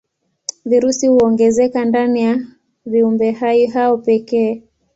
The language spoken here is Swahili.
Virusi huongezeka ndani ya viumbehai hao pekee.